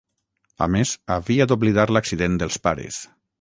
A més, havia d'oblidar l'accident dels pares.